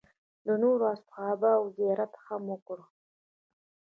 د نورو اصحابو زیارت هم وکړ.